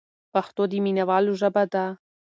پښتو د مینوالو ژبه ده.